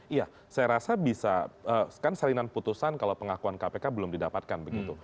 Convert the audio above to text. iya saya rasa bisa kan salinan putusan kalau pengakuan kpk belum didapatkan begitu